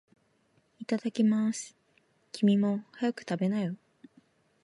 いただきまーす。君も、早く食べなよ。